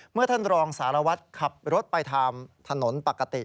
เมื่อท่านรองสารวัตรขับรถไปทางถนนปกติ